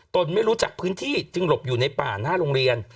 ไม่รู้จักพื้นที่จึงหลบอยู่ในป่าหน้าโรงเรียน